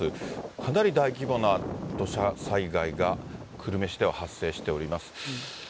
かなり大規模な土砂災害が久留米市では発生しております。